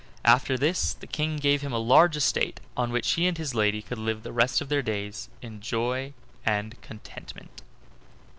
After this the King gave him a large estate, on which he and his lady lived the rest of their days in joy and contentment.